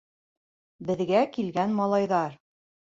Беҙгә килгән малайҙар: